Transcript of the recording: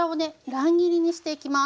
乱切りにしていきます。